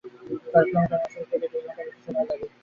চার কিলোমিটার মহাসড়ক পেরোতে দুই ঘণ্টার বেশি সময় লাগে।